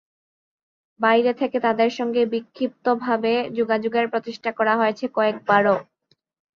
বাইরে থেকে তাদের সঙ্গে বিক্ষিপ্তভাবে যোগাযোগের প্রচেষ্টা করা হয়েছে কয়েকবারও।